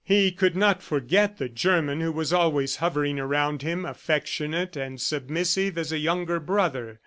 He could not forget the German who was always hovering around him, affectionate and submissive as a younger brother.